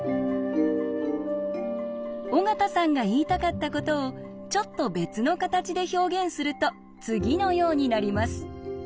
尾形さんが言いたかったことをちょっと別の形で表現すると次のようになります。